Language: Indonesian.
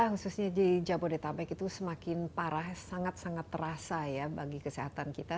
khususnya di jabodetabek itu semakin parah sangat sangat terasa ya bagi kesehatan kita